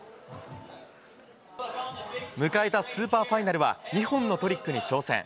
迎えたスーパーファイナルは、２本のトリックに挑戦。